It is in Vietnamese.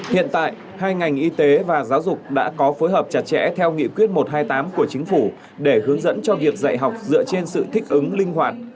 hiện tại hai ngành y tế và giáo dục đã có phối hợp chặt chẽ theo nghị quyết một trăm hai mươi tám của chính phủ để hướng dẫn cho việc dạy học dựa trên sự thích ứng linh hoạt